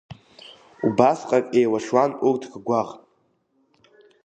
Убасҟак еилашуан урҭ ргәаӷ.